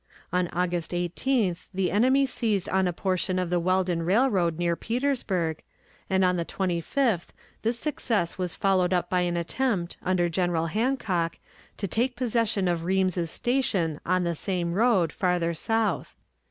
On August 18th the enemy seized on a portion of the Weldon Railroad near Petersburg, and on the 25th this success was followed up by an attempt, under General Hancock, to take possession of Reams's Station on the same road, farther south.